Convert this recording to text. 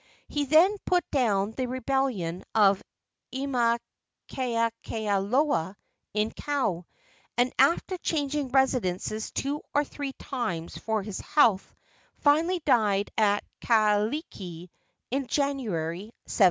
He then put down the rebellion of Imakakaloa in Kau, and, after changing residences two or three times for his health, finally died at Kailikii, in January, 1782.